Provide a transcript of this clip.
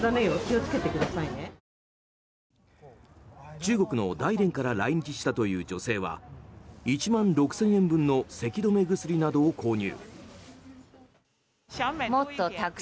中国の大連から来日したという女性は１万６０００円分のせき止め薬などを購入。